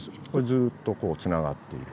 ずっとこうつながっている。